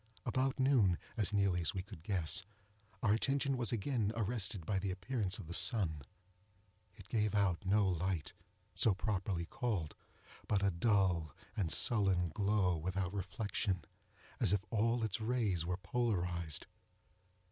About noon, as nearly as we could guess, our attention was again arrested by the appearance of the sun. It gave out no light, properly so called, but a dull and sullen glow without reflection, as if all its rays were polarized.